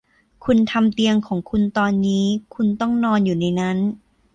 คุณทำเตียงของคุณตอนนี้คุณต้องนอนอยู่ในนั้น